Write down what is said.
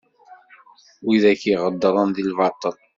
Widak i ɣedṛen di lbatel.